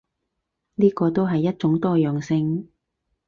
呢個都係一種多樣性